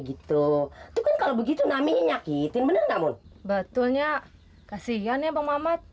gitu tuh kalau begitu namanya nyakitin bener namun betulnya kasihan ya bang mamat